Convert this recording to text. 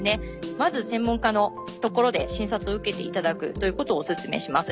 まず専門家のところで診察を受けていただくということをお勧めします。